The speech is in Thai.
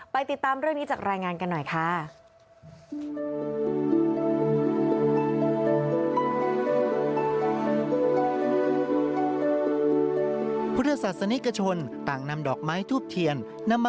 ติดตามเรื่องนี้จากรายงานกันหน่อยค่ะ